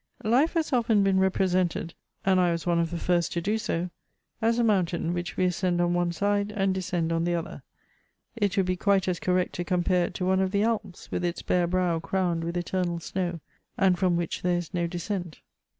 Life has often been represented (and I was one of the first to do so) as a mountain which we ascend on one side and descend on the other ; it would be quite as correct to compare it to one of the Alps, with its bare brow crowned with eternal snow, and from which there is no descent.